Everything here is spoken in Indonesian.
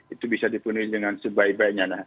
itu bisa dipenuhi dengan sebaik baiknya